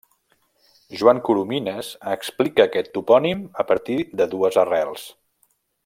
Joan Coromines explica aquest topònim a partir de dues arrels.